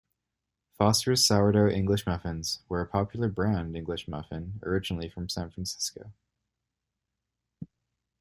Foster's sourdough English muffins were a popular brand English muffin originally from San Francisco.